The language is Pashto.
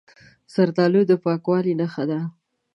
زردالو د پاکوالي نښه ده.